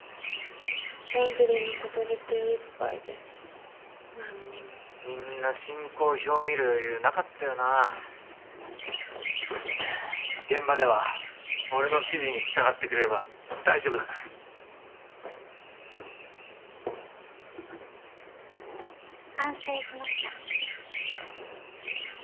ランジェリーのことで手いっぱいで何にもみんな進行表見る余裕なかったよな現場では俺の指示に従ってくれれば大丈夫だから完成しました